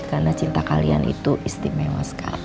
karena cinta kalian itu istimewa sekali